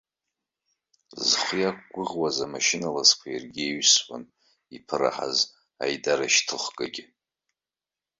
Зхы иақәгәыӷуаз амашьына ласқәа иаргьы иаҩсуан, иԥыраҳаз аидарашьҭыхгагьы.